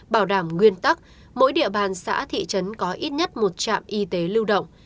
bảo đảm nguyên tắc mỗi địa bàn xã thị trấn có ít nhất một trạm y tế lưu động